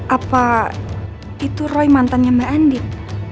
apa itu roy mantannya mbak andi